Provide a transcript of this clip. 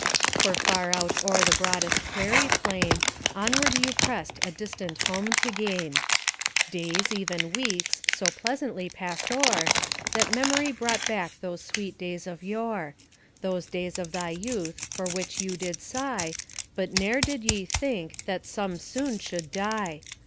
For far out o'er the broadest prairie plain, Onward you pressed a distant home to gain. AMONG THE SIOUX INDIANS. 269 Days, even weeks, so pleasantly passed o'er, That mem'ry brought back those sweet days of yore; Those days of thy youth for which you did sigh, But ne'er did ye think that some soon should die.